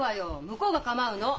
向こうが構うの！